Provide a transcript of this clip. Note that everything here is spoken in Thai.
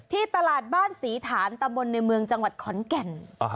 ที่ตลาดบ้านศรีฐานตำบลในเมืองจังหวัดขอนแก่น